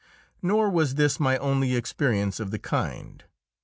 Nor was this my only experience of the kind.